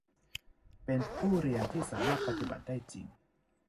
เป็นผู้เรียนที่สามารถปฏิบัติได้จริง